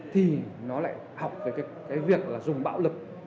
thì nó lại học về cái việc là dùng bạo lực